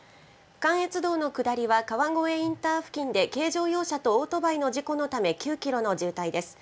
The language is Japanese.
関越道の下りは川越インター付近で軽乗用車とオートバイの事故のため、９キロの渋滞です。